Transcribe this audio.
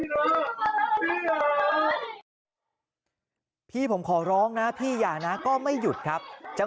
แล้วไปทำร้ายร่างกายผู้ชายก่อน